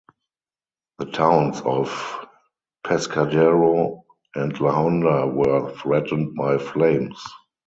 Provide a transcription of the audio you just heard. The towns of Pescadero and La Honda were threatened by flames.